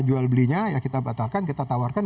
jual belinya ya kita batalkan kita tawarkan